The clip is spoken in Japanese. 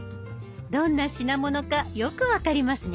どんな品物かよく分かりますね。